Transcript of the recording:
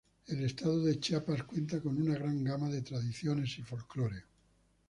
El Estado de Chiapas cuenta con una gran gama de tradiciones y folklore.